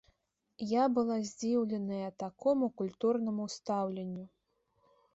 Я была здзіўленая такому культурнаму стаўленню.